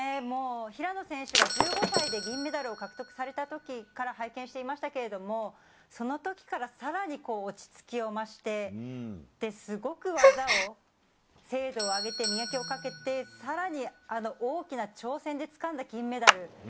もう平野選手が１５歳で銀メダルを獲得されたときから拝見していましたけれども、そのときからさらに落ち着きを増して、すごく技を、精度を上げて、磨きをかけて、さらに大きな挑戦でつかんだ金メダル。